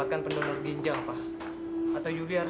aku yang pergi ke jalan library